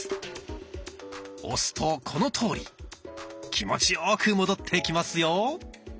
押すとこのとおり気持ちよく戻ってきますよ。